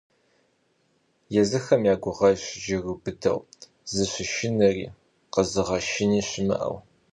Езыхэм я гугъэжщ жыру быдэу, зыщышынэни къэзыгъэшыни щымыӀэу.